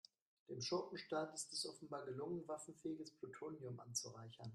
Dem Schurkenstaat ist es offenbar gelungen, waffenfähiges Plutonium anzureichern.